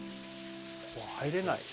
ここ入れない。